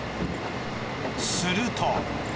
すると。